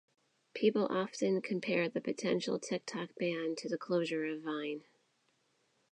People often compare the potential TikTok ban to the closure of Vine.